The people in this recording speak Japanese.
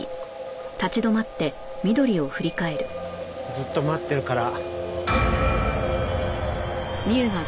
ずっと待ってるから。